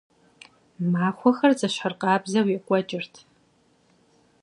Махуэхэр зэщхьыркъабзэу екӀуэкӀырт.